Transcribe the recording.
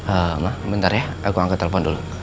eeeh ma bentar ya aku angkat telepon dulu